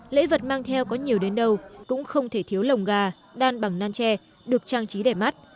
lễ vật mang theo có nhiều đến đâu cũng không thể thiếu lồng gà đan bằng nan tre được trang trí đẻ mắt